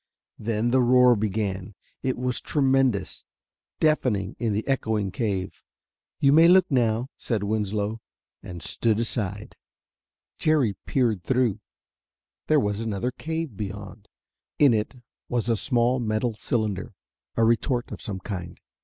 Then the roar began. It was tremendous, deafening, in the echoing cave. "You may look now," said Winslow, and stood aside. Jerry peered through. There was another cave beyond. In it was a small metal cylinder, a retort of some kind.